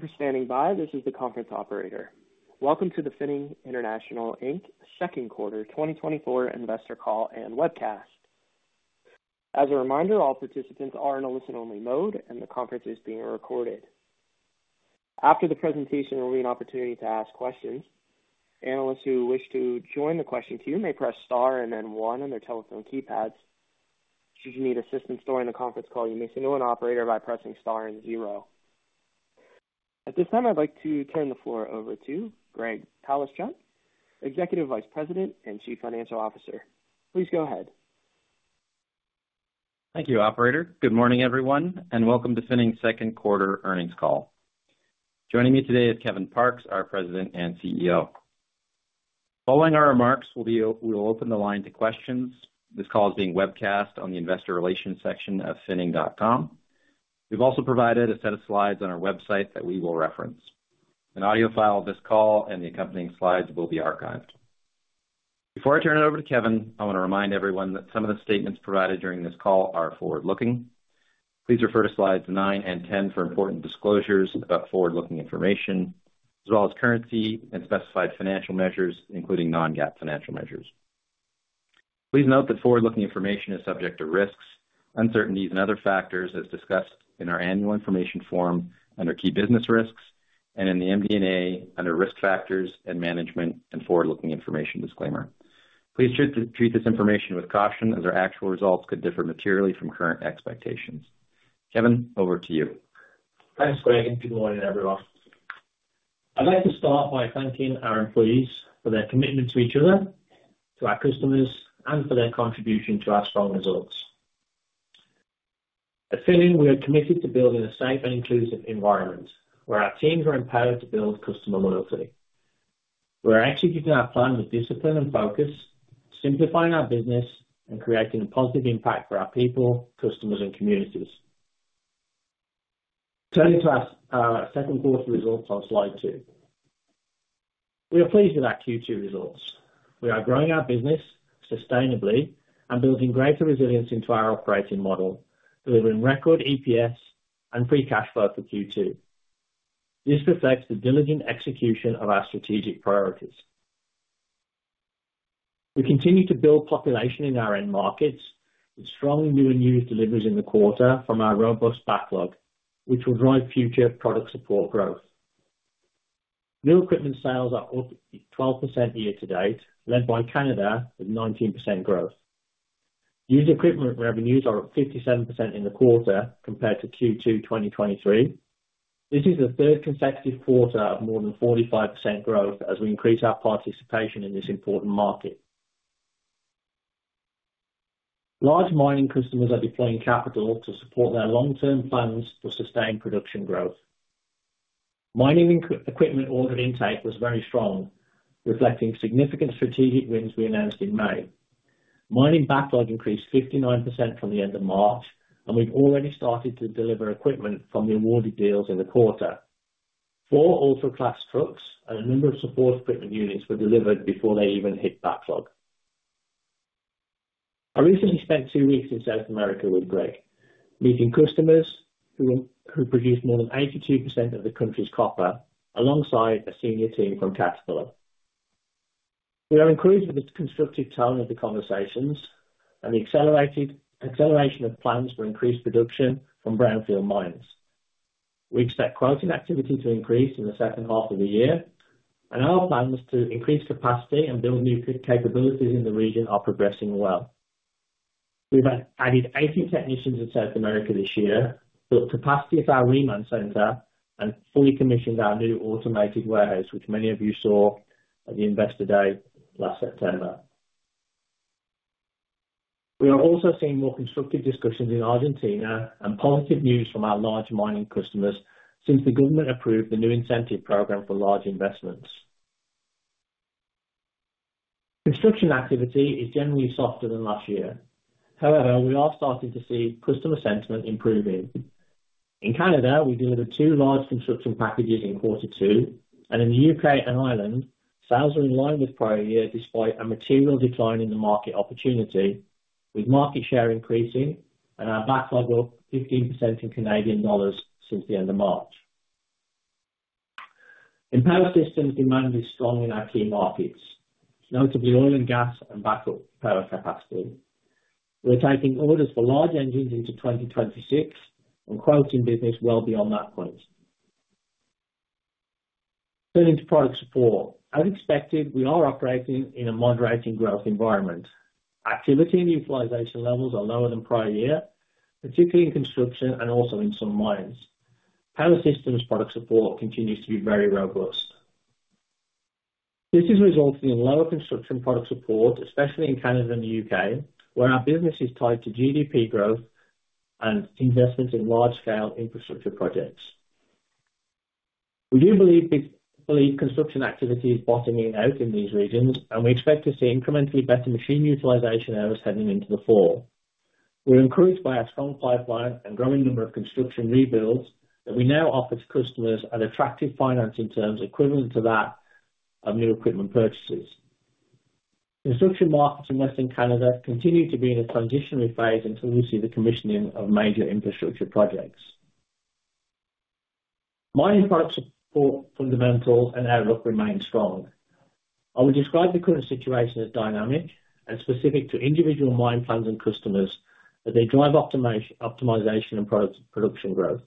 Thank you for standing by. This is the conference operator. Welcome to the Finning International Inc. Second Quarter 2024 Investor Call and Webcast. As a reminder, all participants are in a listen-only mode, and the conference is being recorded. After the presentation, there will be an opportunity to ask questions. Analysts who wish to join the question queue may press star and then one on their telephone keypads. Should you need assistance during the conference call, you may signal an operator by pressing star and zero. At this time, I'd like to turn the floor over to Greg Palaschuk, Executive Vice President and Chief Financial Officer. Please go ahead. Thank you, Operator. Good morning, everyone, and welcome to Finning's Second Quarter Earnings Call. Joining me today is Kevin Parkes, our President and CEO. Following our remarks, we'll open the line to questions. This call is being webcast on the Investor Relations section of finning.com. We've also provided a set of slides on our website that we will reference. An audio file of this call and the accompanying slides will be archived. Before I turn it over to Kevin, I want to remind everyone that some of the statements provided during this call are forward-looking. Please refer to slides 9 and 10 for important disclosures about forward-looking information, as well as currency and specified financial measures, including non-GAAP financial measures. Please note that forward-looking information is subject to risks, uncertainties, and other factors as discussed in our annual information form under Key Business Risks and in the MD&A under Risk Factors and Management and Forward-Looking Information Disclaimer. Please treat this information with caution as our actual results could differ materially from current expectations. Kevin, over to you. Thanks, Greg. Good morning, everyone. I'd like to start by thanking our employees for their commitment to each other, to our customers, and for their contribution to our strong results. At Finning, we are committed to building a safe and inclusive environment where our teams are empowered to build customer loyalty. We are executing our plan with discipline and focus, simplifying our business and creating a positive impact for our people, customers, and communities. Turning to our second quarter results on slide 2, we are pleased with our Q2 results. We are growing our business sustainably and building greater resilience into our operating model, delivering record EPS and free cash flow for Q2. This reflects the diligent execution of our strategic priorities. We continue to build population in our end markets with strong new and used deliveries in the quarter from our robust backlog, which will drive future product support growth. New equipment sales are up 12% year to date, led by Canada with 19% growth. Used equipment revenues are up 57% in the quarter compared to Q2 2023. This is the third consecutive quarter of more than 45% growth as we increase our participation in this important market. Large mining customers are deploying capital to support their long-term plans to sustain production growth. Mining equipment order intake was very strong, reflecting significant strategic wins we announced in May. Mining backlog increased 59% from the end of March, and we've already started to deliver equipment from the awarded deals in the quarter. Four ultra-class trucks and a number of support equipment units were delivered before they even hit backlog. I recently spent two weeks in South America with Greg Palaschuk, meeting customers who produce more than 82% of the country's copper, alongside a senior team from Caterpillar. We are encouraged with the constructive tone of the conversations and the acceleration of plans for increased production from brownfield mines. We expect quoting activity to increase in the second half of the year, and our plans to increase capacity and build new capabilities in the region are progressing well. We've added 80 technicians in South America this year, built capacity at our reman center, and fully commissioned our new automated warehouse, which many of you saw at the Investor Day last September. We are also seeing more constructive discussions in Argentina and positive news from our large mining customers since the government approved the new incentive program for large investments. Construction activity is generally softer than last year. However, we are starting to see customer sentiment improving. In Canada, we delivered 2 large construction packages in quarter two, and in the U.K. and Ireland, sales are in line with prior year despite a material decline in the market opportunity, with market share increasing and our backlog up 15% in Canadian dollars since the end of March. In power systems, demand is strong in our key markets, notably oil and gas and backup power capacity. We're taking orders for large engines into 2026 and quoting business well beyond that point. Turning to product support, as expected, we are operating in a moderating growth environment. Activity and utilization levels are lower than prior year, particularly in construction and also in some mines. Power systems product support continues to be very robust. This is resulting in lower construction product support, especially in Canada and the U.K., where our business is tied to GDP growth and investment in large-scale infrastructure projects. We do believe construction activity is bottoming out in these regions, and we expect to see incrementally better machine utilization hours heading into the fall. We're encouraged by our strong pipeline and growing number of construction rebuilds that we now offer to customers at attractive financing terms equivalent to that of new equipment purchases. Construction markets in Western Canada continue to be in a transitional phase until we see the commissioning of major infrastructure projects. Mining product support fundamentals and outlook remain strong. I would describe the current situation as dynamic and specific to individual mine plans and customers as they drive optimization and production growth.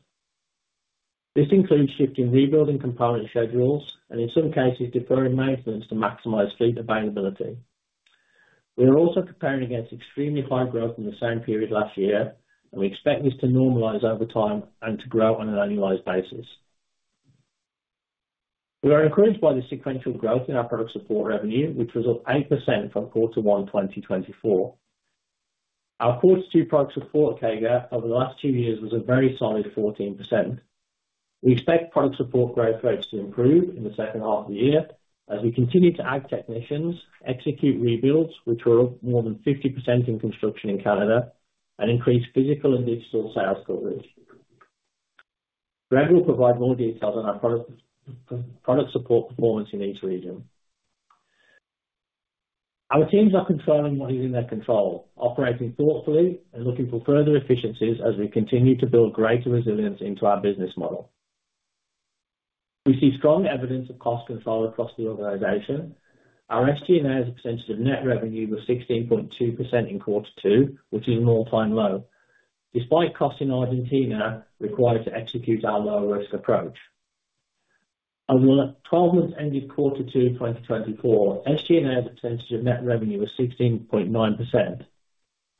This includes shifting rebuilding component schedules and, in some cases, deferring maintenance to maximize fleet availability. We are also preparing against extremely high growth in the same period last year, and we expect this to normalize over time and to grow on an annualized basis. We are encouraged by the sequential growth in our product support revenue, which was up 8% from quarter one 2024. Our quarter two product support CAGR over the last two years was a very solid 14%. We expect product support growth rates to improve in the second half of the year as we continue to add technicians, execute rebuilds, which were up more than 50% in construction in Canada, and increase physical and digital sales coverage. Greg will provide more details on our product support performance in each region. Our teams are controlling what is in their control, operating thoughtfully, and looking for further efficiencies as we continue to build greater resilience into our business model. We see strong evidence of cost control across the organization. Our SG&A has a percentage of net revenue of 16.2% in quarter two, which is an all-time low, despite costs in Argentina required to execute our low-risk approach. Over the 12-month end of quarter two 2024, SG&A's percentage of net revenue was 16.9%.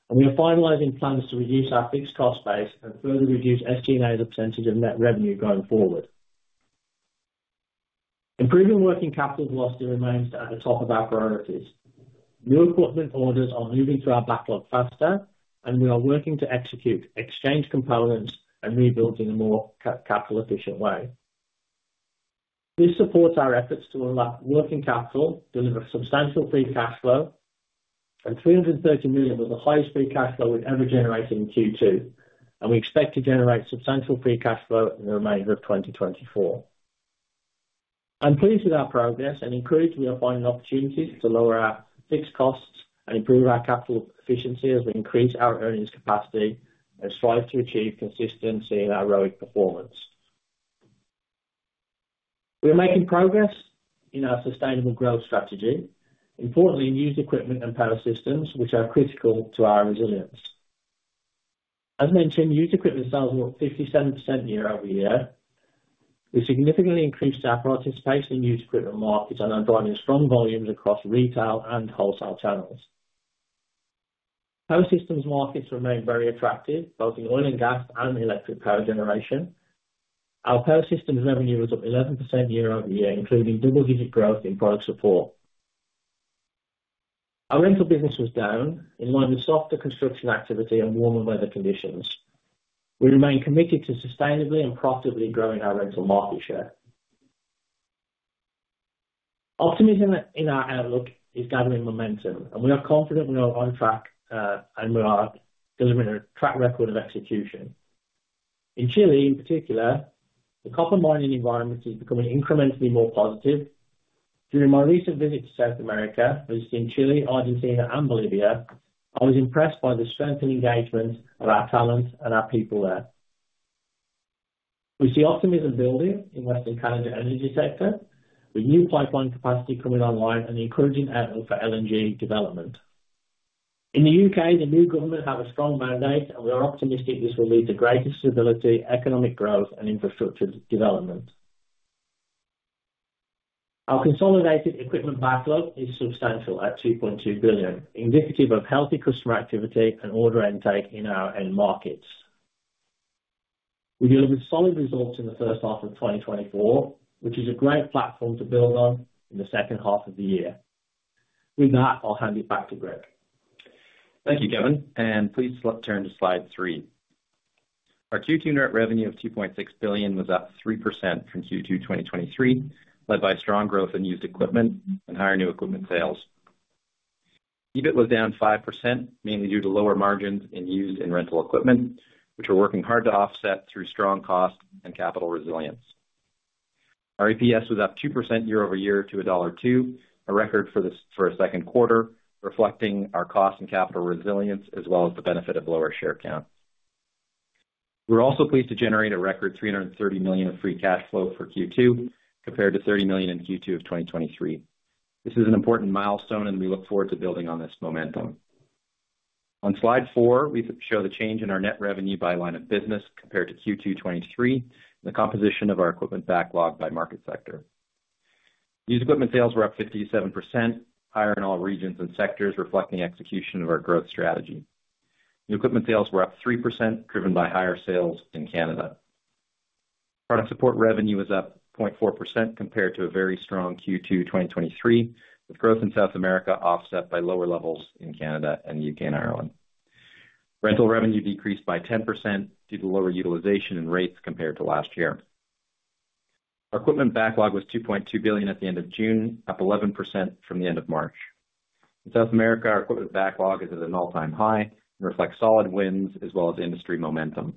We are finalizing plans to reduce our fixed cost base and further reduce SG&A's percentage of net revenue going forward. Improving working capital velocity remains at the top of our priorities. New equipment orders are moving through our backlog faster, and we are working to execute exchange components and rebuilds in a more capital-efficient way. This supports our efforts to unlock working capital, deliver substantial free cash flow, and 330 million was the highest free cash flow we've ever generated in Q2, and we expect to generate substantial free cash flow in the remainder of 2024. I'm pleased with our progress and encouraged we are finding opportunities to lower our fixed costs and improve our capital efficiency as we increase our earnings capacity and strive to achieve consistency in our ROE performance. We are making progress in our sustainable growth strategy, importantly in used equipment and power systems, which are critical to our resilience. As mentioned, used equipment sales were up 57% year-over-year. We significantly increased our participation in used equipment markets and are driving strong volumes across retail and wholesale channels. Power systems markets remain very attractive, both in oil and gas and electric power generation. Our power systems revenue was up 11% year-over-year, including double-digit growth in product support. Our rental business was down in line with softer construction activity and warmer weather conditions. We remain committed to sustainably and profitably growing our rental market share. Optimism in our outlook is gathering momentum, and we are confident we are on track, and we are delivering a track record of execution. In Chile, in particular, the copper mining environment is becoming incrementally more positive. During my recent visit to South America, visiting Chile, Argentina, and Bolivia, I was impressed by the strength and engagement of our talent and our people there. We see optimism building in Western Canada's energy sector, with new pipeline capacity coming online and encouraging outlook for LNG development. In the U.K., the new government has a strong mandate, and we are optimistic this will lead to greater stability, economic growth, and infrastructure development. Our consolidated equipment backlog is substantial at $2.2 billion, indicative of healthy customer activity and order intake in our end markets. We delivered solid results in the first half of 2024, which is a great platform to build on in the second half of the year. With that, I'll hand it back to Greg. Thank you, Kevin. Please turn to slide 3. Our Q2 net revenue of 2.6 billion was up 3% from Q2 2023, led by strong growth in used equipment and higher new equipment sales. EBIT was down 5%, mainly due to lower margins in used and rental equipment, which we're working hard to offset through strong cost and capital resilience. Our EPS was up 2% year-over-year to $1.02, a record for the second quarter, reflecting our cost and capital resilience as well as the benefit of lower share count. We're also pleased to generate a record 330 million of free cash flow for Q2, compared to 30 million in Q2 of 2023. This is an important milestone, and we look forward to building on this momentum. On slide four, we show the change in our net revenue by line of business compared to Q2 2023 and the composition of our equipment backlog by market sector. Used equipment sales were up 57%, higher in all regions and sectors, reflecting execution of our growth strategy. New equipment sales were up 3%, driven by higher sales in Canada. Product support revenue was up 0.4% compared to a very strong Q2 2023, with growth in South America offset by lower levels in Canada and the UK and Ireland. Rental revenue decreased by 10% due to lower utilization and rates compared to last year. Our equipment backlog was 2.2 billion at the end of June, up 11% from the end of March. In South America, our equipment backlog is at an all-time high and reflects solid wins as well as industry momentum.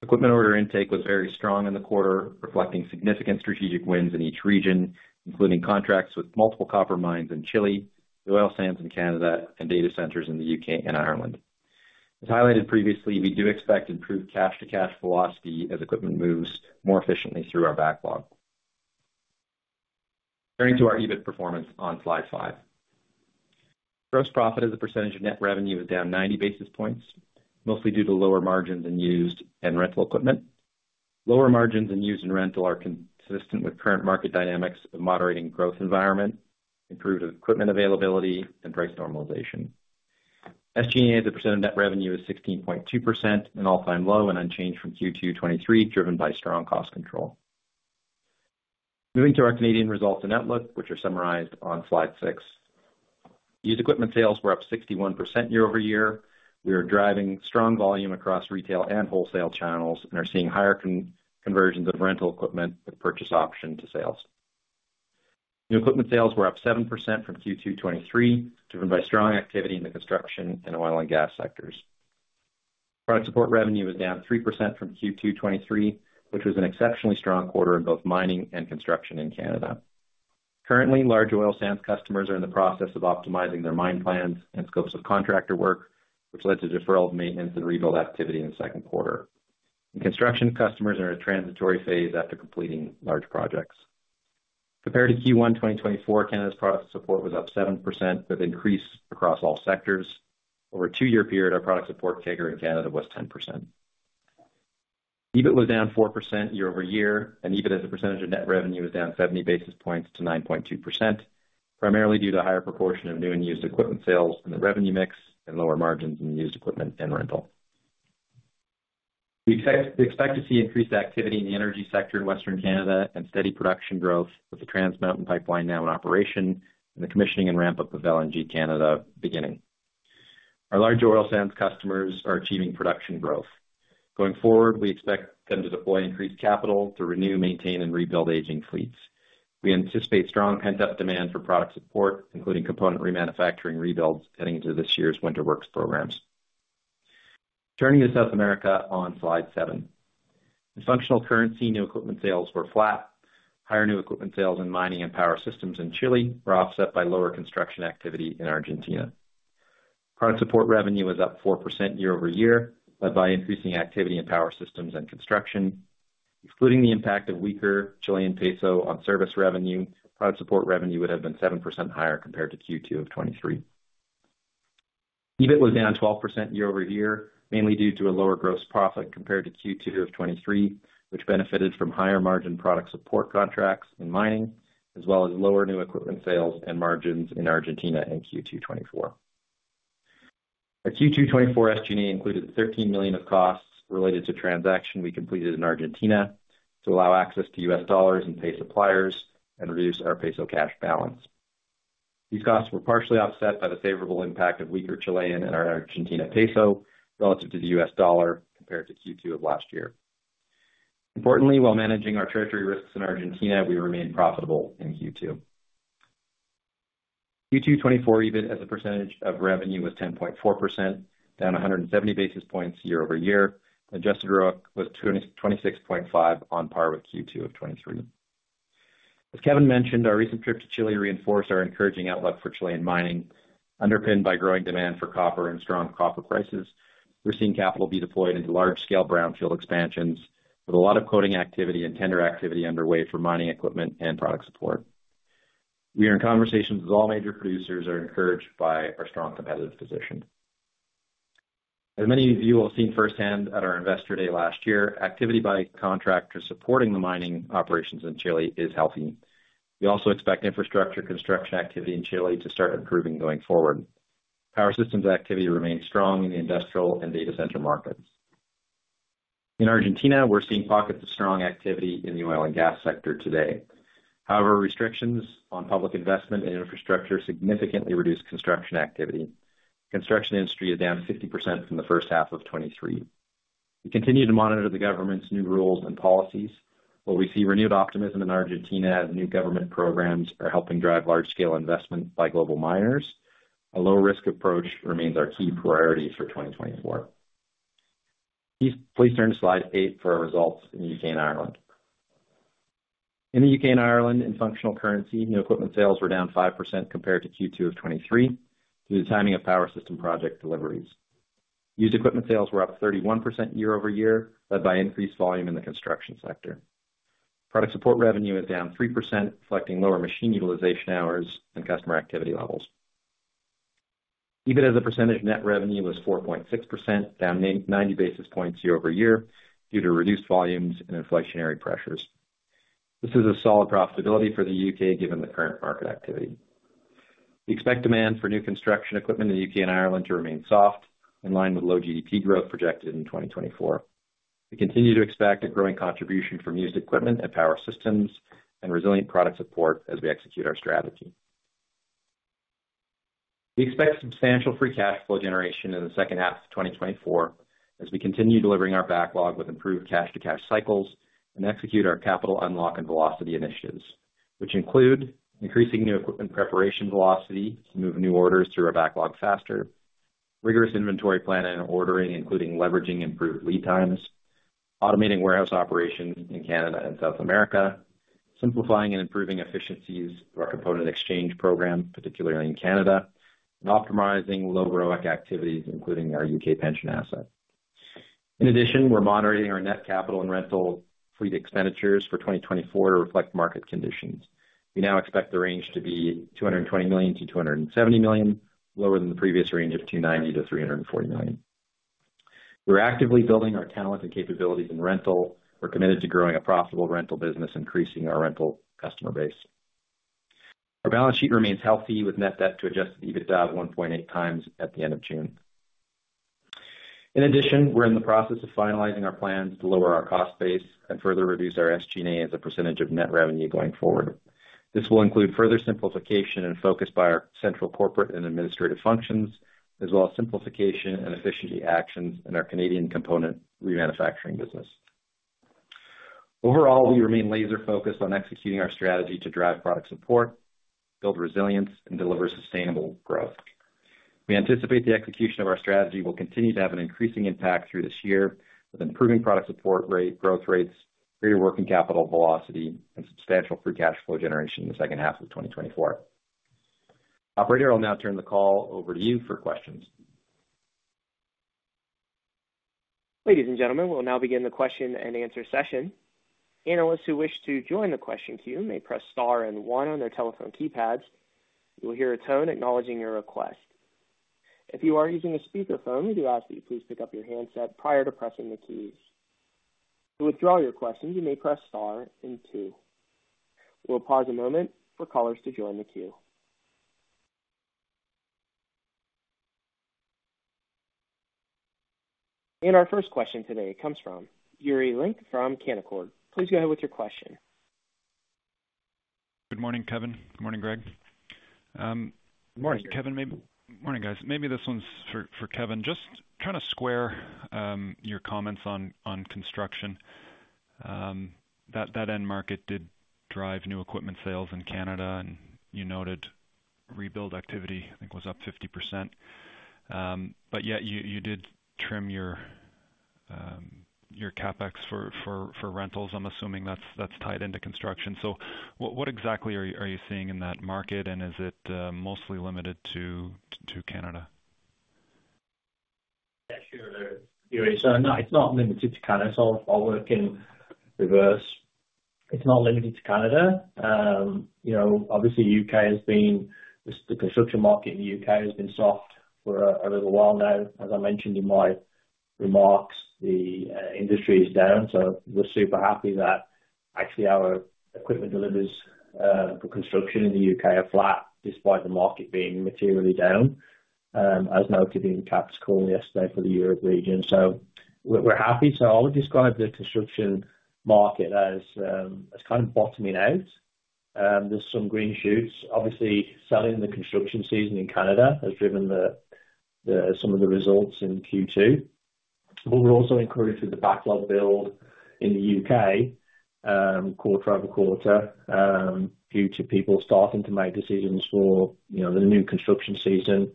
Equipment order intake was very strong in the quarter, reflecting significant strategic wins in each region, including contracts with multiple copper mines in Chile, oil sands in Canada, and data centers in the U.K. and Ireland. As highlighted previously, we do expect improved cash-to-cash velocity as equipment moves more efficiently through our backlog. Turning to our EBIT performance on slide five. Gross profit as a percentage of net revenue is down 90 basis points, mostly due to lower margins in used and rental equipment. Lower margins in used and rental are consistent with current market dynamics of moderating growth environment, improved equipment availability, and price normalization. SG&A's percent of net revenue is 16.2%, an all-time low and unchanged from Q2 2023, driven by strong cost control. Moving to our Canadian results and outlook, which are summarized on slide six. Used equipment sales were up 61% year-over-year. We are driving strong volume across retail and wholesale channels and are seeing higher conversions of rental equipment with purchase option to sales. New equipment sales were up 7% from Q2 2023, driven by strong activity in the construction and oil and gas sectors. Product support revenue was down 3% from Q2 2023, which was an exceptionally strong quarter in both mining and construction in Canada. Currently, large oil sands customers are in the process of optimizing their mine plans and scopes of contractor work, which led to deferral of maintenance and rebuild activity in the second quarter. In construction, customers are in a transitory phase after completing large projects. Compared to Q1 2024, Canada's product support was up 7%, with increase across all sectors. Over a two-year period, our product support CAGR in Canada was 10%. EBIT was down 4% year-over-year, and EBIT as a percentage of net revenue was down 70 basis points to 9.2%, primarily due to a higher proportion of new and used equipment sales in the revenue mix and lower margins in used equipment and rental. We expect to see increased activity in the energy sector in Western Canada and steady production growth with the Trans Mountain Pipeline now in operation and the commissioning and ramp-up of LNG Canada beginning. Our large oil sands customers are achieving production growth. Going forward, we expect them to deploy increased capital to renew, maintain, and rebuild aging fleets. We anticipate strong pent-up demand for product support, including component remanufacturing rebuilds heading into this year's winter works programs. Turning to South America on slide 7. In functional currency, new equipment sales were flat. Higher new equipment sales in mining and power systems in Chile were offset by lower construction activity in Argentina. Product support revenue was up 4% year-over-year led by increasing activity in power systems and construction. Excluding the impact of weaker Chilean peso on service revenue, product support revenue would have been 7% higher compared to Q2 of 2023. EBIT was down 12% year-over-year, mainly due to a lower gross profit compared to Q2 of 2023, which benefited from higher margin product support contracts in mining as well as lower new equipment sales and margins in Argentina and Q2 2024. Our Q2 2024 SG&A included 13 million of costs related to transaction we completed in Argentina to allow access to US dollars and pay suppliers and reduce our peso cash balance. These costs were partially offset by the favorable impact of weaker Chilean and Argentine peso relative to the US dollar compared to Q2 of last year. Importantly, while managing our treasury risks in Argentina, we remained profitable in Q2. Q2 2024 EBIT as a percentage of revenue was 10.4%, down 170 basis points year-over-year. Adjusted growth was 26.5% on par with Q2 of 2023. As Kevin mentioned, our recent trip to Chile reinforced our encouraging outlook for Chilean mining. Underpinned by growing demand for copper and strong copper prices, we're seeing capital be deployed into large-scale brownfield expansions with a lot of quoting activity and tender activity underway for mining equipment and product support. We are in conversations with all major producers that are encouraged by our strong competitive position. As many of you have seen firsthand at our investor day last year, activity by contractors supporting the mining operations in Chile is healthy. We also expect infrastructure construction activity in Chile to start improving going forward. Power systems activity remains strong in the industrial and data center markets. In Argentina, we're seeing pockets of strong activity in the oil and gas sector today. However, restrictions on public investment and infrastructure significantly reduced construction activity. Construction industry is down 50% from the first half of 2023. We continue to monitor the government's new rules and policies. While we see renewed optimism in Argentina as new government programs are helping drive large-scale investment by global miners, a low-risk approach remains our key priority for 2024. Please turn to slide eight for our results in the U.K. and Ireland. In the UK and Ireland, in functional currency, new equipment sales were down 5% compared to Q2 of 2023 due to the timing of power system project deliveries. Used equipment sales were up 31% year-over-year, led by increased volume in the construction sector. Product support revenue is down 3%, reflecting lower machine utilization hours and customer activity levels. EBIT as a percentage of net revenue was 4.6%, down 90 basis points year-over-year due to reduced volumes and inflationary pressures. This is a solid profitability for the UK given the current market activity. We expect demand for new construction equipment in the UK and Ireland to remain soft, in line with low GDP growth projected in 2024. We continue to expect a growing contribution from used equipment and power systems and resilient product support as we execute our strategy. We expect substantial free cash flow generation in the second half of 2024 as we continue delivering our backlog with improved cash-to-cash cycles and execute our capital unlock and velocity initiatives, which include increasing new equipment preparation velocity to move new orders through our backlog faster, rigorous inventory planning and ordering, including leveraging improved lead times, automating warehouse operations in Canada and South America, simplifying and improving efficiencies of our component exchange program, particularly in Canada, and optimizing low ROIC activities, including our UK pension asset. In addition, we're moderating our net capital and rental fleet expenditures for 2024 to reflect market conditions. We now expect the range to be 220 million-270 million, lower than the previous range of 290 million-340 million. We're actively building our talent and capabilities in rental. We're committed to growing a profitable rental business, increasing our rental customer base. Our balance sheet remains healthy, with net debt to adjusted EBITDA of 1.8 times at the end of June. In addition, we're in the process of finalizing our plans to lower our cost base and further reduce our SG&A as a percentage of net revenue going forward. This will include further simplification and focus by our central corporate and administrative functions, as well as simplification and efficiency actions in our Canadian component remanufacturing business. Overall, we remain laser-focused on executing our strategy to drive product support, build resilience, and deliver sustainable growth. We anticipate the execution of our strategy will continue to have an increasing impact through this year, with improving product support growth rates, greater working capital velocity, and substantial free cash flow generation in the second half of 2024. Operator, I'll now turn the call over to you for questions. Ladies and gentlemen, we'll now begin the question and answer session. Analysts who wish to join the question queue may press star and one on their telephone keypads. You will hear a tone acknowledging your request. If you are using a speakerphone, we do ask that you please pick up your handset prior to pressing the keys. To withdraw your questions, you may press star and two. We'll pause a moment for callers to join the queue. Our first question today comes from Yuri Lynk from Canaccord. Please go ahead with your question. Good morning, Kevin. Good morning, Greg. Good morning, Kevin. Morning, guys. Maybe this one's for Kevin. Just trying to square your comments on construction. That end market did drive new equipment sales in Canada, and you noted rebuild activity, I think, was up 50%. But yet you did trim your CapEx for rentals. I'm assuming that's tied into construction. So what exactly are you seeing in that market, and is it mostly limited to Canada? Yeah, sure. So no, it's not limited to Canada. So I'll work in reverse. It's not limited to Canada. Obviously, the construction market in the U.K. has been soft for a little while now. As I mentioned in my remarks, the industry is down. So we're super happy that actually our equipment deliveries for construction in the U.K. are flat, despite the market being materially down, as noted in Cat's call yesterday for the Europe region. So we're happy. So I would describe the construction market as kind of bottoming out. There's some green shoots. Obviously, selling the construction season in Canada has driven some of the results in Q2. But we're also encouraged with the backlog build in the U.K., quarter-over-quarter, due to people starting to make decisions for the new construction season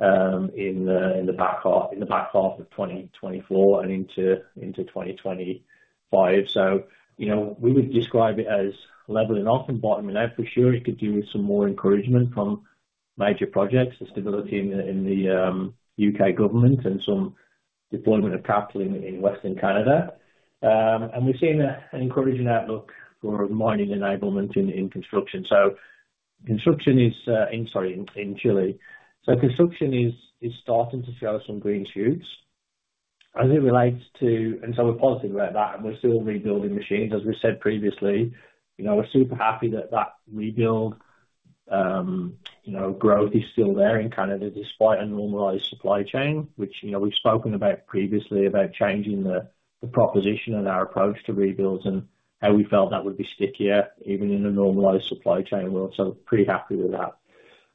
in the back half of 2024 and into 2025. So we would describe it as leveling off and bottoming out. For sure, it could do with some more encouragement from major projects, the stability in the U.K. government, and some deployment of capital in Western Canada. We've seen an encouraging outlook for mining enablement in construction. So construction is, sorry, in Chile. So construction is starting to show some green shoots. As it relates to, and so we're positive about that, and we're still rebuilding machines, as we said previously. We're super happy that that rebuild growth is still there in Canada, despite a normalized supply chain, which we've spoken about previously, about changing the proposition and our approach to rebuilds and how we felt that would be stickier, even in a normalized supply chain world. So pretty happy with that.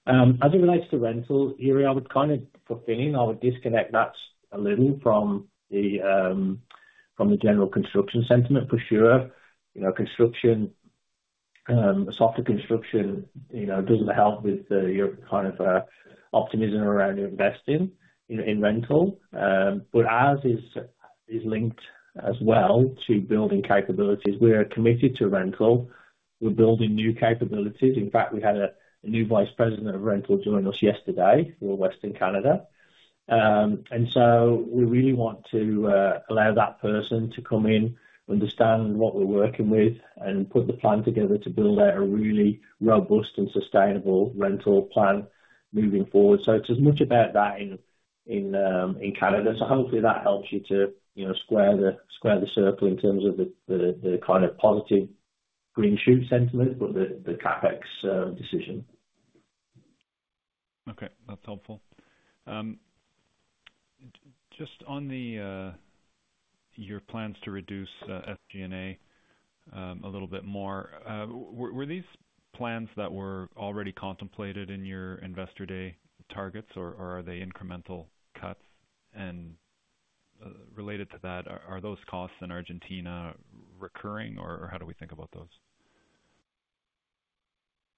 As it relates to rentals, Yuri, I would kind of, for Finning, I would disconnect that a little from the general construction sentiment, for sure. Softer construction doesn't help with your kind of optimism around investing in rental. But ours is linked as well to building capabilities. We're committed to rental. We're building new capabilities. In fact, we had a new vice president of rental join us yesterday for Western Canada. And so we really want to allow that person to come in, understand what we're working with, and put the plan together to build out a really robust and sustainable rental plan moving forward. So it's as much about that in Canada. So hopefully that helps you to square the circle in terms of the kind of positive green shoot sentiment for the CapEx decision. Okay. That's helpful. Just on your plans to reduce SG&A a little bit more, were these plans that were already contemplated in your investor day targets, or are they incremental cuts? And related to that, are those costs in Argentina recurring, or how do we think about those?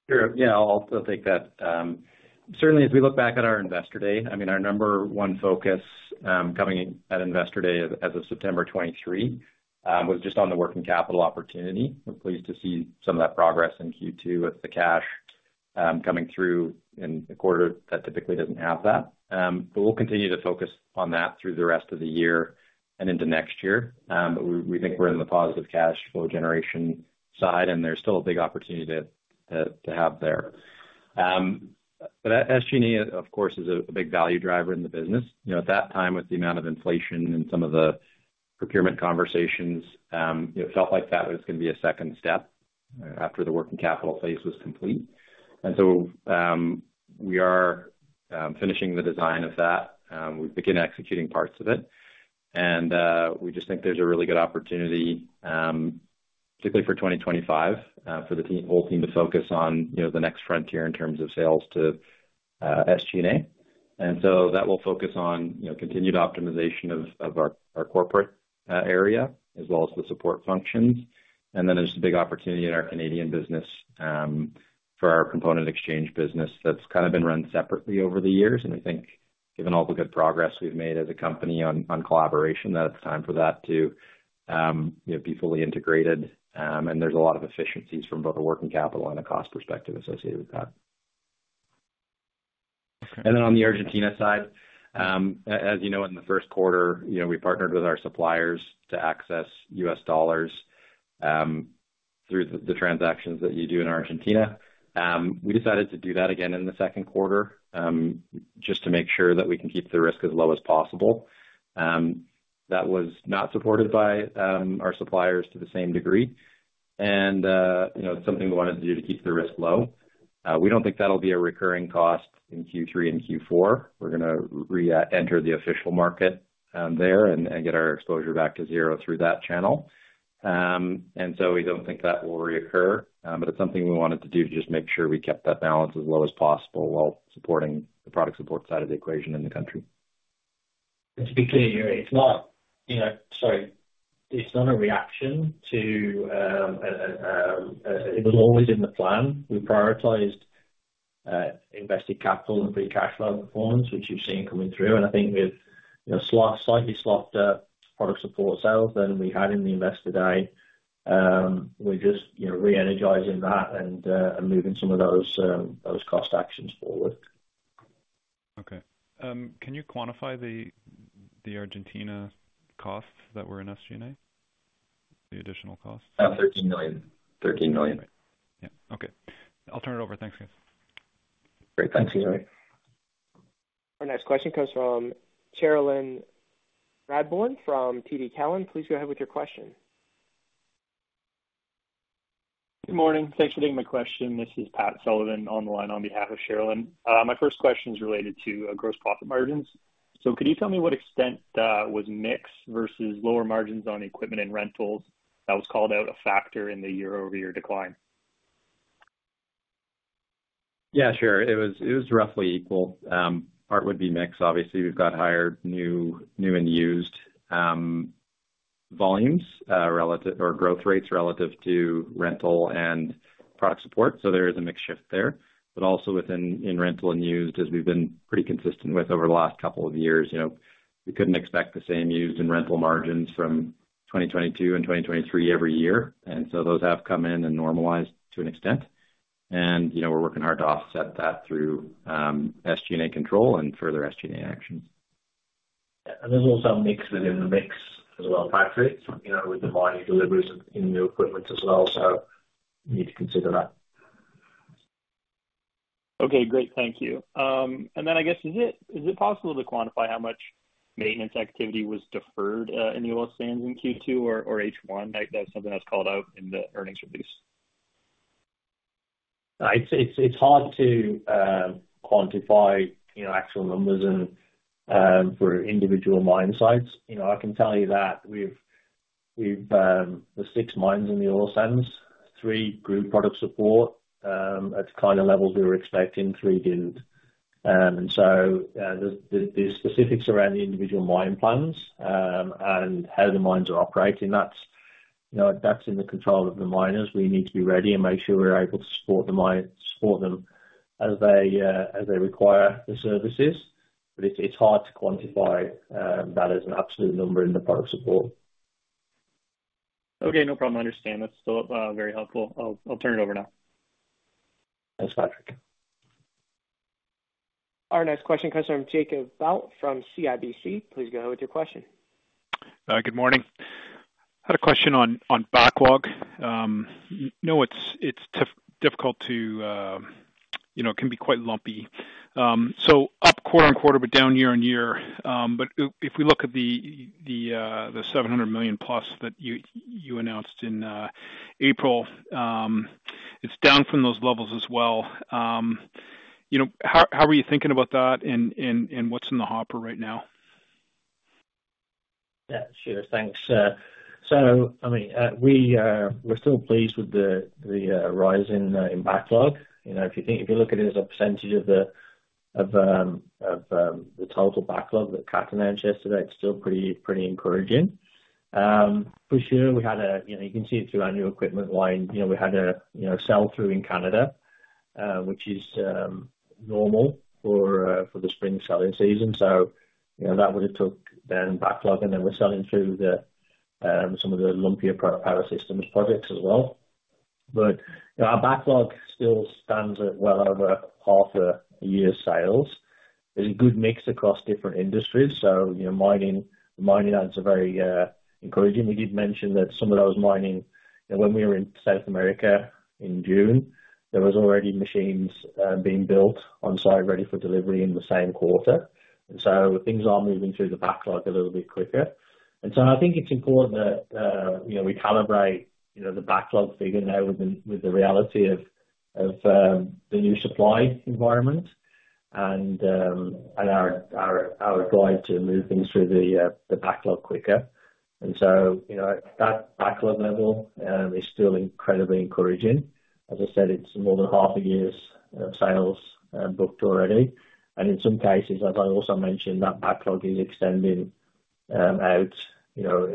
Sure. Yeah, I'll take that. Certainly, as we look back at our investor day, I mean, our number one focus coming at investor day as of September 2023 was just on the working capital opportunity. We're pleased to see some of that progress in Q2 with the cash coming through in a quarter that typically doesn't have that. But we'll continue to focus on that through the rest of the year and into next year. But we think we're in the positive cash flow generation side, and there's still a big opportunity to have there. But SG&A, of course, is a big value driver in the business. At that time, with the amount of inflation and some of the procurement conversations, it felt like that was going to be a second step after the working capital phase was complete. And so we are finishing the design of that. We've begun executing parts of it. We just think there's a really good opportunity, particularly for 2025, for the whole team to focus on the next frontier in terms of sales to SG&A. So that will focus on continued optimization of our corporate area as well as the support functions. Then there's a big opportunity in our Canadian business for our component exchange business that's kind of been run separately over the years. I think, given all the good progress we've made as a company on collaboration, that it's time for that to be fully integrated. There's a lot of efficiencies from both a working capital and a cost perspective associated with that. Then on the Argentina side, as you know, in the first quarter, we partnered with our suppliers to access US dollars through the transactions that you do in Argentina. We decided to do that again in the second quarter just to make sure that we can keep the risk as low as possible. That was not supported by our suppliers to the same degree. And it's something we wanted to do to keep the risk low. We don't think that'll be a recurring cost in Q3 and Q4. We're going to re-enter the official market there and get our exposure back to zero through that channel. And so we don't think that will reoccur. But it's something we wanted to do to just make sure we kept that balance as low as possible while supporting the product support side of the equation in the country. It's a big deal, Yuri. Sorry. It's not a reaction to it was always in the plan. We prioritized invested capital and free cash flow performance, which you've seen coming through. And I think we've slightly softened up product support sales than we had in the Investor Day. We're just re-energizing that and moving some of those cost actions forward. Okay. Can you quantify the Argentina costs that were in SG&A? The additional costs? 13 million. 13 million. Yeah. Okay. I'll turn it over. Thanks, guys. Great. Thanks, Yuri. Our next question comes from Cherilyn Radbourne from TD Cowen. Please go ahead with your question. Good morning. Thanks for taking my question. This is Patrick Sullivan on the line on behalf of Cherilyn. My first question is related to gross profit margins. So could you tell me what extent was mix versus lower margins on equipment and rentals that was called out a factor in the year-over-year decline? Yeah, sure. It was roughly equal. Part would be mix. Obviously, we've got higher new and used volumes or growth rates relative to rental and product support. So there is a mixed shift there. But also within rental and used, as we've been pretty consistent with over the last couple of years, we couldn't expect the same used and rental margins from 2022 and 2023 every year. And so those have come in and normalized to an extent. And we're working hard to offset that through SG&A control and further SG&A actions. There's also a mix within the mix as well, Patrick, with the mining deliveries in new equipment as well. We need to consider that. Okay. Great. Thank you. Then I guess, is it possible to quantify how much maintenance activity was deferred in the oil sands in Q2 or H1? That's something that's called out in the earnings release. It's hard to quantify actual numbers for individual mine sites. I can tell you that we have the six mines in the oil sands, three grew product support at the kind of levels we were expecting, three didn't. And so the specifics around the individual mine plans and how the mines are operating, that's in the control of the miners. We need to be ready and make sure we're able to support them as they require the services. But it's hard to quantify that as an absolute number in the product support. Okay. No problem. I understand. That's still very helpful. I'll turn it over now. Thanks, Patrick. Our next question comes from Jacob Bout from CIBC. Please go ahead with your question. Good morning. I had a question on backlog. No, it's difficult to it can be quite lumpy. So up quarter-over-quarter, but down year-over-year. But if we look at the 700 million+ that you announced in April, it's down from those levels as well. How are you thinking about that, and what's in the hopper right now? Yeah. Sure. Thanks. So I mean, we're still pleased with the rise in backlog. If you look at it as a percentage of the total backlog that CAT announced yesterday, it's still pretty encouraging. For sure, we had a, you can see it through our new equipment line. We had a sell-through in Canada, which is normal for the spring selling season. So that would have taken the backlog, and then we're selling through some of the lumpier power systems projects as well. But our backlog still stands at well over half a year's sales. There's a good mix across different industries. So mining, that's very encouraging. We did mention that some of those mining, when we were in South America in June, there were already machines being built on site ready for delivery in the same quarter. And so things are moving through the backlog a little bit quicker. I think it's important that we calibrate the backlog figure now with the reality of the new supply environment and our drive to move things through the backlog quicker. That backlog level is still incredibly encouraging. As I said, it's more than half a year's sales booked already. In some cases, as I also mentioned, that backlog is extending out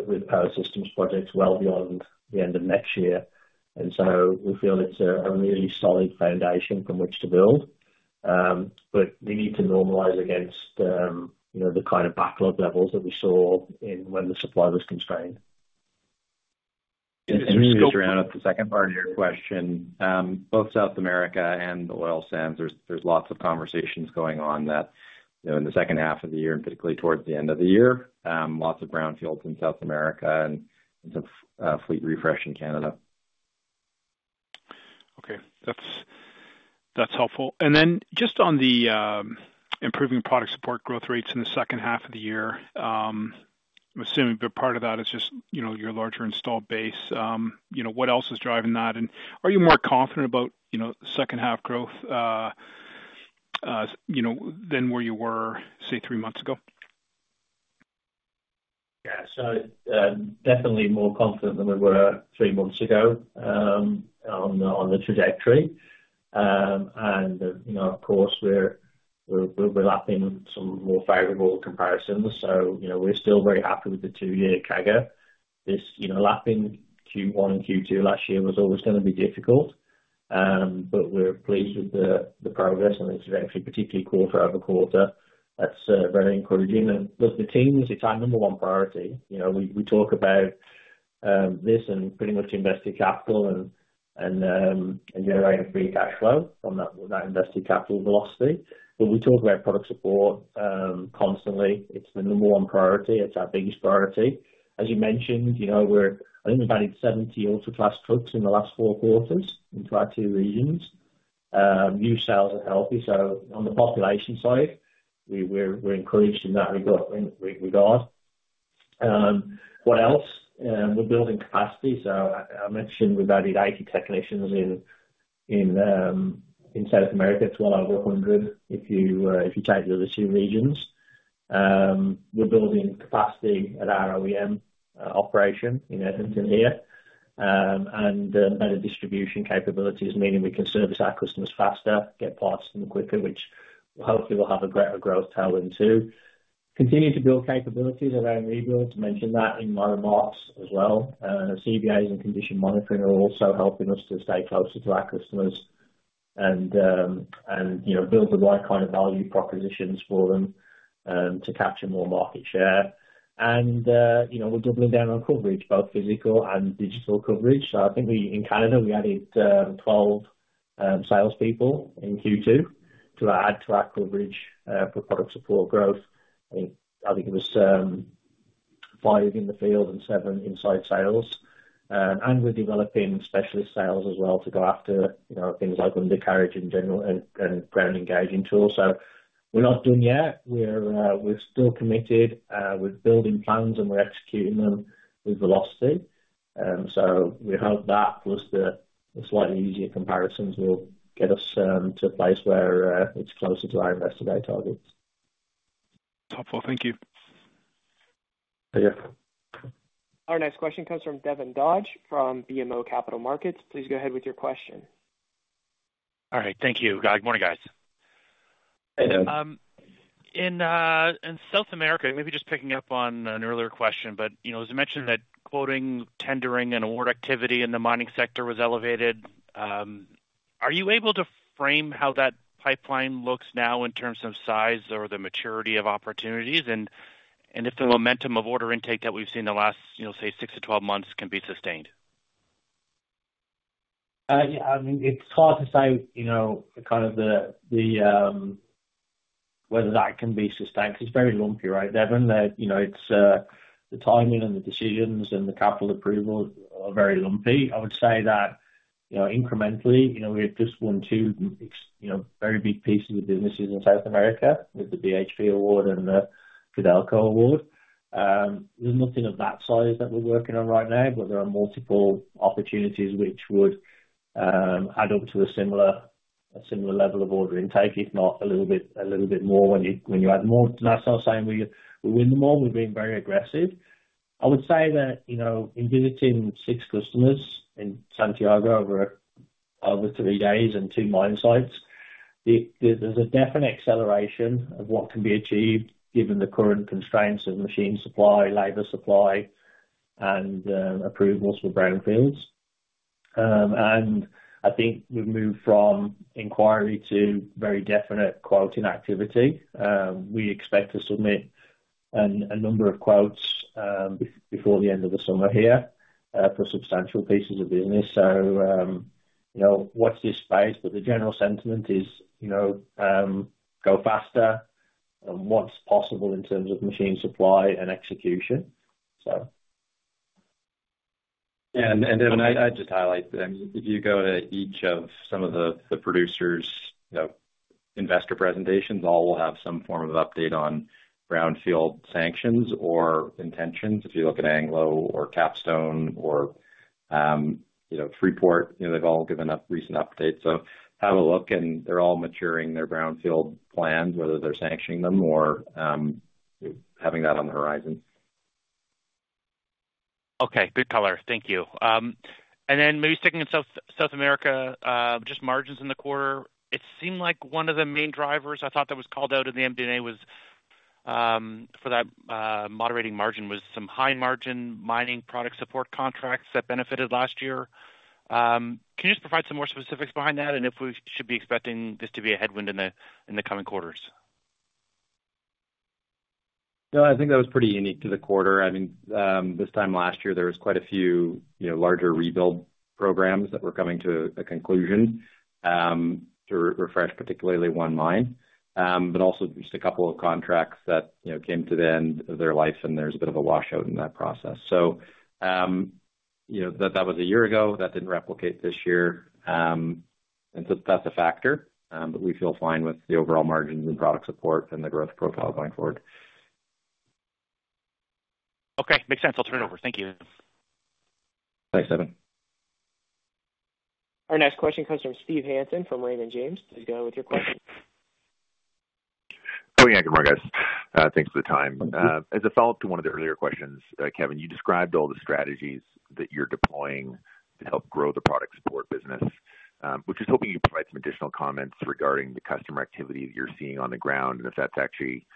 with power systems projects well beyond the end of next year. We feel it's a really solid foundation from which to build. But we need to normalize against the kind of backlog levels that we saw when the supply was constrained. Just to address the second part of your question, both South America and the oil sands, there's lots of conversations going on that in the second half of the year, and particularly towards the end of the year, lots of brownfields in South America and some fleet refresh in Canada. Okay. That's helpful. And then just on the improving product support growth rates in the second half of the year, I'm assuming part of that is just your larger installed base. What else is driving that? And are you more confident about second-half growth than where you were, say, three months ago? Yeah. So definitely more confident than we were three months ago on the trajectory. And of course, we're lapping some more favorable comparisons. So we're still very happy with the two-year CAGR. This lapping Q1 and Q2 last year was always going to be difficult. But we're pleased with the progress, and it's actually particularly quarter-over-quarter. That's very encouraging. And look, the team is the number one priority. We talk about this and pretty much invested capital and generating free cash flow from that invested capital velocity. But we talk about product support constantly. It's the number one priority. It's our biggest priority. As you mentioned, I think we've added 70 Ultra Class trucks in the last four quarters in 22 regions. New sales are healthy. So on the population side, we're encouraged in that regard. What else? We're building capacity. So I mentioned we've added 80 technicians in South America to well over 100 if you take the other two regions. We're building capacity at our OEM operation in Edmonton here. Better distribution capabilities, meaning we can service our customers faster, get parts in quicker, which hopefully will have a greater growth tail end too. Continue to build capabilities around rebuilds. Mentioned that in my remarks as well. CVAs and condition monitoring are also helping us to stay closer to our customers and build the right kind of value propositions for them to capture more market share. We're doubling down on coverage, both physical and digital coverage. So I think in Canada, we added 12 salespeople in Q2 to add to our coverage for product support growth. I think it was five in the field and seven inside sales. We're developing specialist sales as well to go after things like undercarriage and ground engaging tools. We're not done yet. We're still committed. We're building plans, and we're executing them with velocity. We hope that, plus the slightly easier comparisons, will get us to a place where it's closer to our investor day targets. Helpful. Thank you. Pleasure. Our next question comes from Devin Dodge from BMO Capital Markets. Please go ahead with your question. All right. Thank you. Good morning, guys. Hey, Dev. In South America, maybe just picking up on an earlier question, but as you mentioned that quoting, tendering, and award activity in the mining sector was elevated. Are you able to frame how that pipeline looks now in terms of size or the maturity of opportunities? And if the momentum of order intake that we've seen the last, say, 6-12 months can be sustained? Yeah. I mean, it's hard to say kind of whether that can be sustained. It's very lumpy, right, Devin? The timing and the decisions and the capital approval are very lumpy. I would say that incrementally, we have just won 2 very big pieces of businesses in South America with the BHP award and the Codelco award. There's nothing of that size that we're working on right now, but there are multiple opportunities which would add up to a similar level of order intake, if not a little bit more when you add more. And that's not saying we win them all. We've been very aggressive. I would say that in visiting 6 customers in Santiago over 3 days and 2 mine sites, there's a definite acceleration of what can be achieved given the current constraints of machine supply, labor supply, and approvals for brownfields. I think we've moved from inquiry to very definite quoting activity. We expect to submit a number of quotes before the end of the summer here for substantial pieces of business. What's this phase? The general sentiment is go faster on what's possible in terms of machine supply and execution, so. Devin, I'd just highlight that if you go to each of some of the producers' investor presentations, all will have some form of update on brownfield sanctions or intentions. If you look at Anglo or Capstone or Freeport, they've all given a recent update. Have a look, and they're all maturing their brownfield plans, whether they're sanctioning them or having that on the horizon. Okay. Good color. Thank you. And then maybe sticking in South America, just margins in the quarter, it seemed like one of the main drivers I thought that was called out in the MD&A was for that moderating margin was some high-margin mining product support contracts that benefited last year. Can you just provide some more specifics behind that, and if we should be expecting this to be a headwind in the coming quarters? No, I think that was pretty unique to the quarter. I mean, this time last year, there were quite a few larger rebuild programs that were coming to a conclusion to refresh particularly one mine, but also just a couple of contracts that came to the end of their life, and there was a bit of a washout in that process. So that was a year ago. That didn't replicate this year. And so that's a factor, but we feel fine with the overall margins and product support and the growth profile going forward. Okay. Makes sense. I'll turn it over. Thank you. Thanks, Devin. Our next question comes from Steve Hansen from Raymond James. Please go ahead with your question. Oh, yeah. Good morning, guys. Thanks for the time. As a follow-up to one of the earlier questions, Kevin, you described all the strategies that you're deploying to help grow the product support business. We're just hoping you can provide some additional comments regarding the customer activity that you're seeing on the ground and if that's actually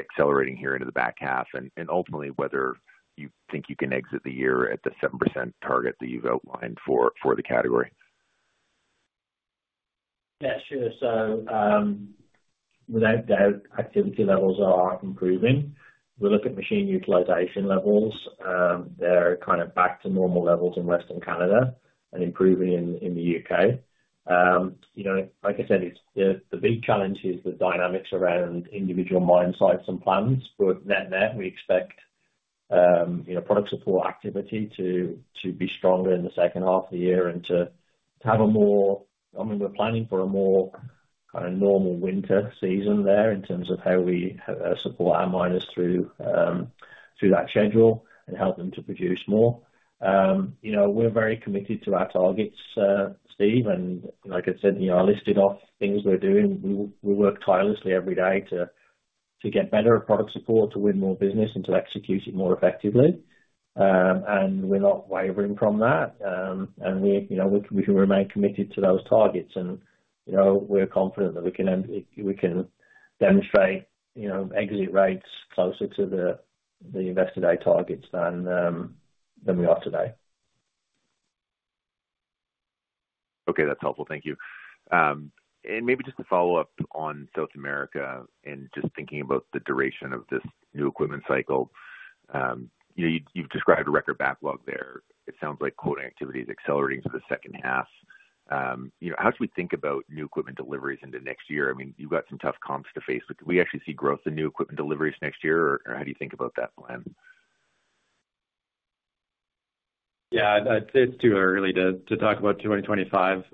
accelerating here into the back half, and ultimately whether you think you can exit the year at the 7% target that you've outlined for the category. Yeah. Sure. So without doubt, activity levels are improving. We look at machine utilization levels. They're kind of back to normal levels in Western Canada and improving in the U.K. Like I said, the big challenge is the dynamics around individual mine sites and plans. But net net, we expect product support activity to be stronger in the second half of the year and to have a more I mean, we're planning for a more kind of normal winter season there in terms of how we support our miners through that schedule and help them to produce more. We're very committed to our targets, Steve. And like I said, I listed off things we're doing. We work tirelessly every day to get better product support, to win more business, and to execute it more effectively. And we're not wavering from that. And we can remain committed to those targets. We're confident that we can demonstrate exit rates closer to the investor day targets than we are today. Okay. That's helpful. Thank you. And maybe just to follow up on South America and just thinking about the duration of this new equipment cycle, you've described a record backlog there. It sounds like quoting activity is accelerating for the second half. How should we think about new equipment deliveries into next year? I mean, you've got some tough comps to face. But can we actually see growth in new equipment deliveries next year, or how do you think about that plan? Yeah. It's too early to talk about 2025.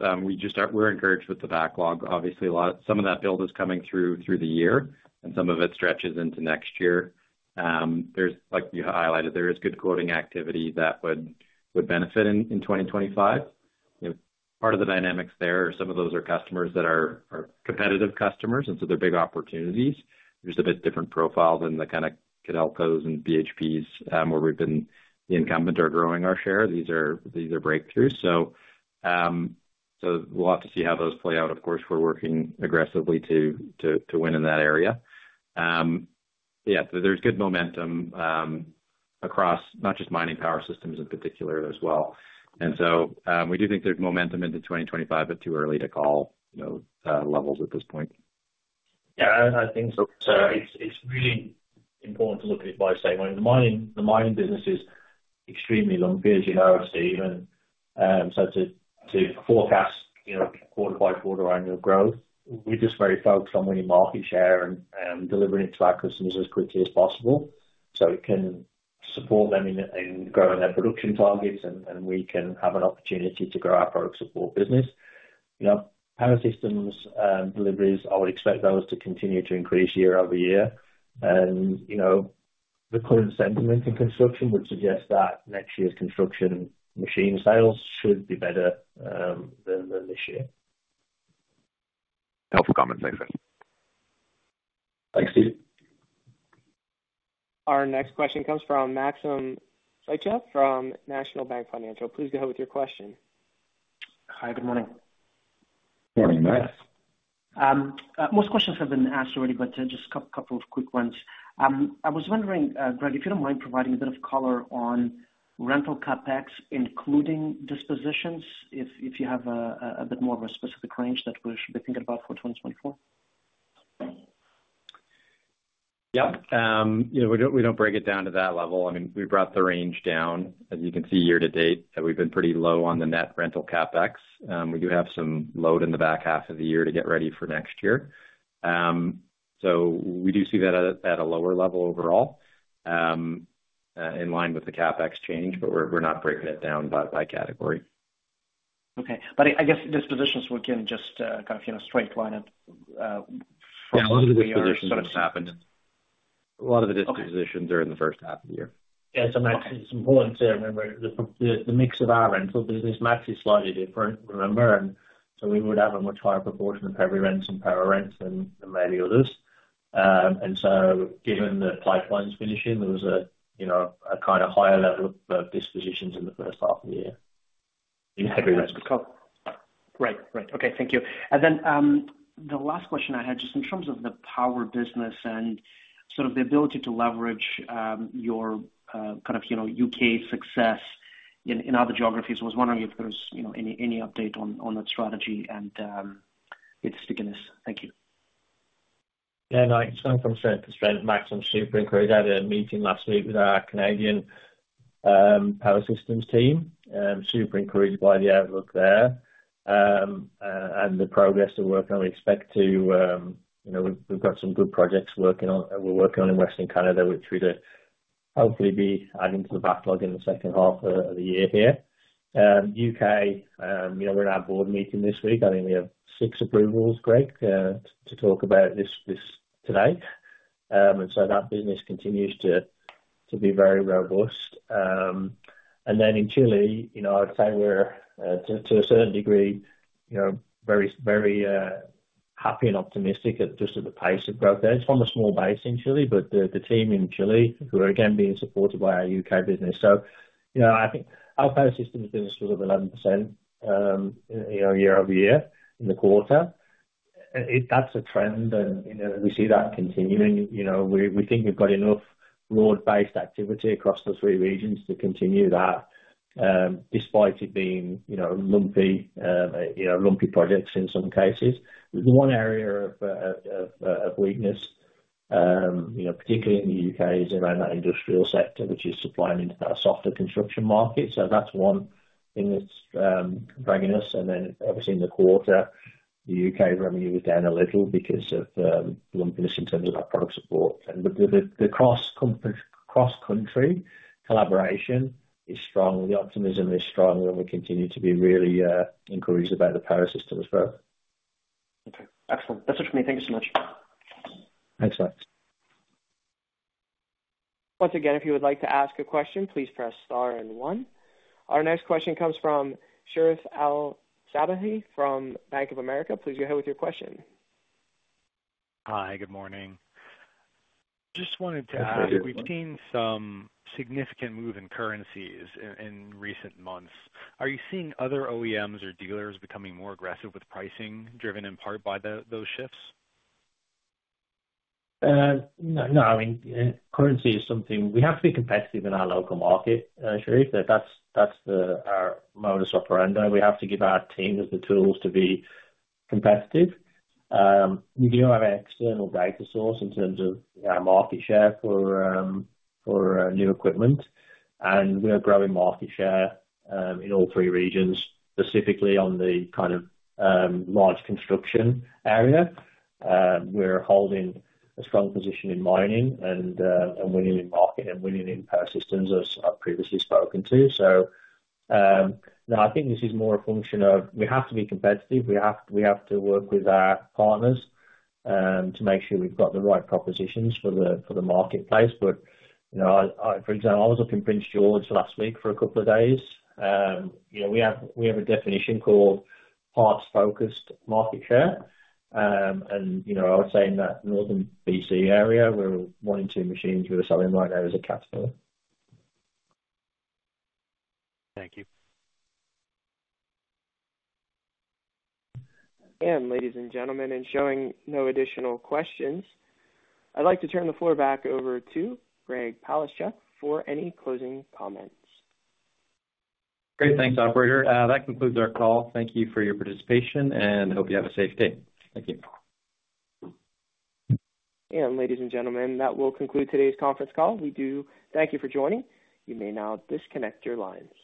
We're encouraged with the backlog. Obviously, some of that build is coming through the year, and some of it stretches into next year. Like you highlighted, there is good quoting activity that would benefit in 2025. Part of the dynamics there are some of those are customers that are competitive customers, and so they're big opportunities. There's a bit different profiles in the kind of Codelco's and BHPs where we've been the incumbent are growing our share. These are breakthroughs. So we'll have to see how those play out. Of course, we're working aggressively to win in that area. Yeah. So there's good momentum across not just mining power systems in particular as well. And so we do think there's momentum into 2025, but too early to call levels at this point. Yeah. I think so. It's really important to look at it in the same way. The mining business is extremely long-cycle, you know, Steve. And so to forecast quarter-by-quarter annual growth, we're just very focused on winning market share and delivering it to our customers as quickly as possible so it can support them in growing their production targets, and we can have an opportunity to grow our product support business. Power systems deliveries, I would expect those to continue to increase year-over-year. And the current sentiment in construction would suggest that next year's construction machine sales should be better than this year. Helpful comments. Thanks, guys. Thanks, Steve. Our next question comes from Maxim Sytchev from National Bank Financial. Please go ahead with your question. Hi. Good morning. Morning, guys. Most questions have been answered already, but just a couple of quick ones. I was wondering, Greg, if you don't mind providing a bit of color on rental CapEx, including dispositions, if you have a bit more of a specific range that we should be thinking about for 2024? Yep. We don't break it down to that level. I mean, we brought the range down, as you can see year to date, that we've been pretty low on the net rental CapEx. We do have some load in the back half of the year to get ready for next year. So we do see that at a lower level overall in line with the CapEx change, but we're not breaking it down by category. Okay. But I guess dispositions, we can just kind of straight line up. Yeah. A lot of the dispositions have happened. A lot of the dispositions are in the first half of the year. Yeah. So it's important to remember the mix of our rental business might be slightly different, remember? And so we would have a much higher proportion of heavy rents and power rents than maybe others. And so given the pipeline's finishing, there was a kind of higher level of dispositions in the first half of the year in heavy rents. Great. Great. Okay. Thank you. And then the last question I had, just in terms of the power business and sort of the ability to leverage your kind of U.K. success in other geographies, I was wondering if there's any update on that strategy and its stickiness. Thank you. Yeah. No, it's coming from strength to strength. Maxim, super encouraged. I had a meeting last week with our Canadian power systems team, super encouraged by the outlook there and the progress we're working on. We expect to we've got some good projects working on. We're working on in Western Canada, which we'd hopefully be adding to the backlog in the second half of the year here. U.K., we're in our board meeting this week. I think we have six approvals, Greg, to talk about this today. And so that business continues to be very robust. And then in Chile, I'd say we're, to a certain degree, very happy and optimistic at just at the pace of growth there. It's from a small base in Chile, but the team in Chile who are again being supported by our U.K. business. So I think our power systems business was up 11% year-over-year in the quarter. That's a trend, and we see that continuing. We think we've got enough broad-based activity across the three regions to continue that despite it being lumpy projects in some cases. There's one area of weakness, particularly in the U.K., is around that industrial sector, which is supplying into that softer construction market. So that's one thing that's dragging us. And then obviously, in the quarter, the U.K. revenue was down a little because of lumpiness in terms of our product support. But the cross-country collaboration is strong. The optimism is strong, and we continue to be really encouraged about the power systems growth. Okay. Excellent. That's it for me. Thank you so much. Thanks, guys. Once again, if you would like to ask a question, please press star and one. Our next question comes from Sherif El-Sabbahy from Bank of America. Please go ahead with your question. Hi. Good morning. Just wanted to ask, we've seen some significant move in currencies in recent months. Are you seeing other OEMs or dealers becoming more aggressive with pricing, driven in part by those shifts? No. I mean, currency is something we have to be competitive in our local market share. If that's our modus operandi. We have to give our teams the tools to be competitive. We do have an external data source in terms of our market share for new equipment. And we're growing market share in all three regions, specifically on the kind of large construction area. We're holding a strong position in mining and winning in market and winning in power systems, as I've previously spoken to. So no, I think this is more a function of we have to be competitive. We have to work with our partners to make sure we've got the right propositions for the marketplace. But for example, I was up in Prince George last week for a couple of days. We have a definition called parts-focused market share. I would say in that Northern BC area, we're one in two machines we were selling right now as a category. Thank you. Ladies and gentlemen, and showing no additional questions, I'd like to turn the floor back over to Greg Palaschuk for any closing comments. Great. Thanks, operator. That concludes our call. Thank you for your participation, and I hope you have a safe day. Thank you. Ladies and gentlemen, that will conclude today's conference call. We do thank you for joining. You may now disconnect your lines.